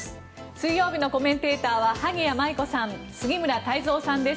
水曜日のコメンテーターは萩谷麻衣子さん杉村太蔵さんです。